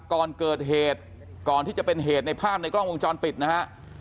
ก่อนเกิดเหตุก่อนที่จะเป็นเหตุในภาพในกล้องวงจรปิดนะฮะ